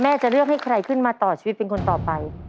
จะเลือกให้ใครขึ้นมาต่อชีวิตเป็นคนต่อไป